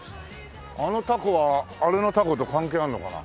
あのタコはあれのタコと関係あるのかな。